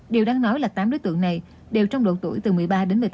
điều đáng nói là tám đối tượng này đều trong độ tuổi từ một mươi ba đến một mươi tám